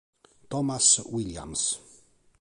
Thomas Williams